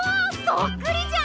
そっくりじゃん！